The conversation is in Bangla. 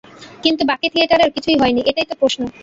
কিন্তু বাকি থিয়েটারের কিছুই হয় নি এটাই তো প্রশ্ন।